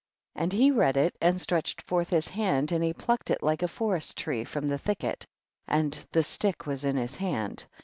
41. And he read it and stretched forth his hand and he plucked it like a forest tree from the thicket, and the stick was in his hand.